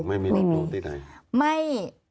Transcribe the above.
ไม่มีศัตรูที่ใด